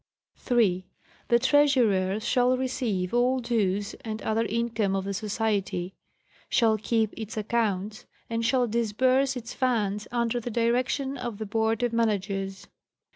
» srt 3.—The Treasurer shall receive all dues and other income of the Society ; shall keep its accounts ; and shall disburse its funds under the direction of the Board of Managers.